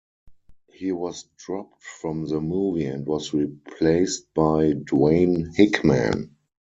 He was dropped from the movie and was replaced by Dwayne Hickman.